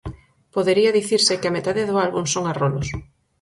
Podería dicirse que a metade do álbum son arrolos.